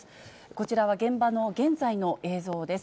こちらは現場の現在の映像です。